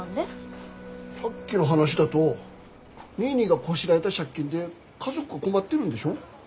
さっきの話だとニーニーがこしらえた借金で家族困ってるんでしょ？